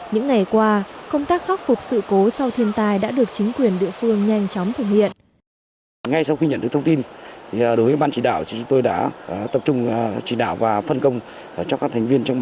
những ngày qua công tác khắc phục sự cố sau thiên tai đã được chính quyền địa phương nhanh chóng thực hiện